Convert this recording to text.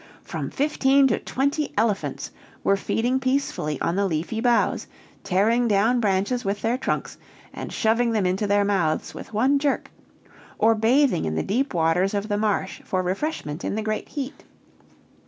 "From fifteen to twenty elephants were feeding peacefully on the leafy boughs, tearing down branches with their trunks and shoving them into their mouths with one jerk, or bathing in the deep waters of the marsh for refreshment in the great heat.